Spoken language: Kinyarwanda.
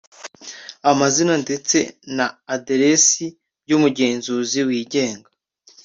amazina ndetse na aderesi by’umugenzuzi wigenga;